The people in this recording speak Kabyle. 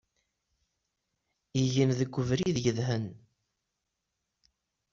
Igen deg ubrid yedhen.